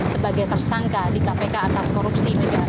sebagai tersangka di kpk atas korupsi